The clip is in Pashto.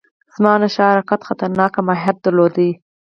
زمانشاه حرکت خطرناک ماهیت درلود.